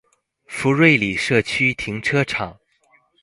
福瑞里社區停車場